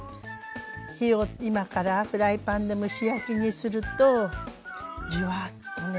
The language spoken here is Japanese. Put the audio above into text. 火を今からフライパンで蒸し焼きにするとジュワッとね